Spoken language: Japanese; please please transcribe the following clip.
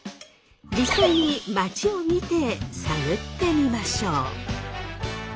実際に街を見て探ってみましょう。